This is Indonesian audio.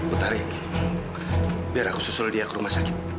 utari biar aku susul dia ke rumah sakit